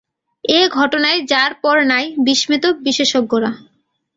এ ঘটনায় যারপর নাই বিস্মিত বিশেষজ্ঞরা।